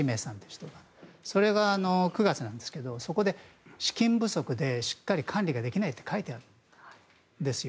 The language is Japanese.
それが９月なんですけどそこで資金不足でしっかり管理ができないと書いてあるんですよ。